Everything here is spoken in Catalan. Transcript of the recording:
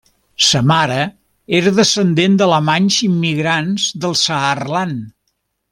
Sa mare era descendent d'alemanys immigrants del Saarland.